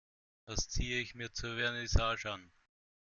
Was ziehe ich mir zur Vernissage an?